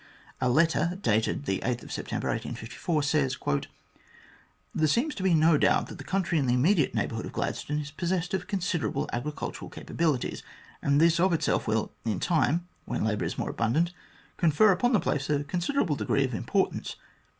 A letter, dated September 8, 1854, says :" There seems to be no doubt that the country in the immediate neighbourhood of Gladstone is possessed of considerable agri cultural capabilities, and this of itself will, in time, when labour is more abundant, confer upon the place a considerable degree of importance.